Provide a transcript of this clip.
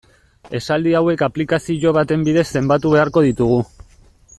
Esaldi hauek aplikazio baten bidez zenbatu beharko ditugu.